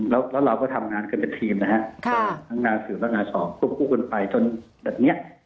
แล้วเราก็ทำงานกันเป็นทีมนะครับทั้งงานสื่อและงานสอบทุกกลับไปจนแบบเนี่ย